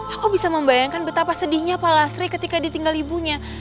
aku bisa membayangkan betapa sedihnya pak lasri ketika ditinggal ibunya